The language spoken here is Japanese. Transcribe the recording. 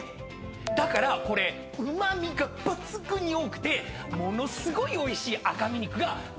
だからこれうま味が抜群に多くてものすごいおいしい赤身肉が堪能できるんですよね。